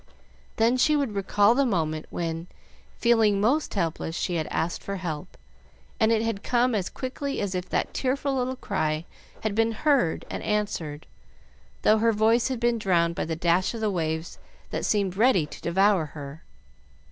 Then she would recall the moment when, feeling most helpless, she had asked for help, and it had come as quickly as if that tearful little cry had been heard and answered, though her voice had been drowned by the dash of the waves that seemed ready to devour her.